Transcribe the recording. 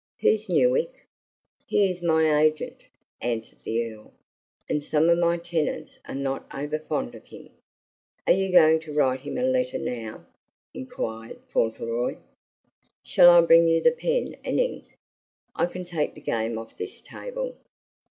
"Who's Newick?" "He is my agent," answered the Earl, "and some of my tenants are not over fond of him." "Are you going to write him a letter now?" inquired Fauntleroy. "Shall I bring you the pen and ink? I can take the game off this table."